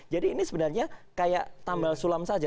jadi ini sebenarnya kayak tambal sulam saja